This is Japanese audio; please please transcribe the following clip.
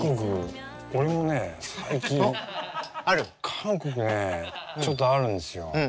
韓国ねちょっとあるんですよ。